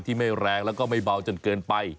ไม่แรงแล้วก็ไม่เบาจนเกินไป